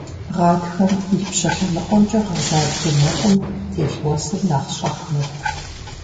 Гъатхэм ипщэ лъэныкъуэмкӀэ гъэза бгы нэкӀум телъ уэсыр нэхъ щӀэх мэткӀу.